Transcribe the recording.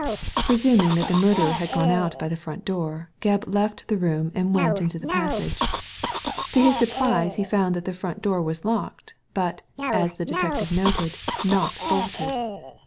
Presuming that the murderer had gone out by the front door, Gebb left the room and went into the passage. To his surprise he found that the front door was locked, but, as the detective noted, not bolted.